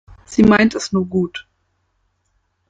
Sie meint es nur gut.